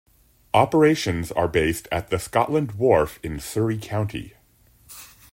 Operations are based at the Scotland Wharf in Surry County.